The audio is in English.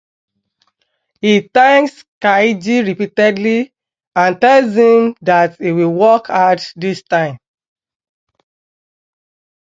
He thanks Kaiji repeatedly and tells him that he will work hard this time.